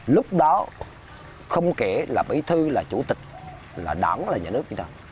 lúc đó không kể là bí thư là chủ tịch là đảng là nhà nước gì đâu